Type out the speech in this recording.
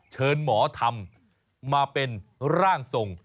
เชิญหมอธรรมมาเป็นร่างทรง